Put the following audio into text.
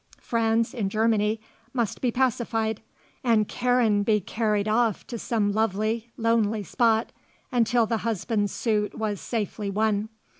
Franz, in Germany, must be pacified, and Karen be carried off to some lovely, lonely spot until the husband's suit was safely won.